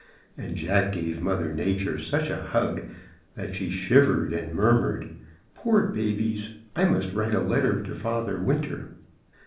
and Jack gave Mother Nature such a hug that she shivered, and murmured: "Poor babies! I must write a letter to Father Winter."